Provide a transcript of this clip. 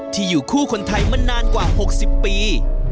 อยู่คู่คนไทยมานานกว่า๖๐ปี